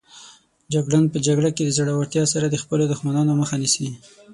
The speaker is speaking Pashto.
جګړن په جګړه کې د زړورتیا سره د خپلو دښمنانو مخه نیسي.